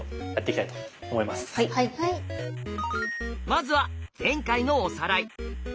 まずは前回のおさらい。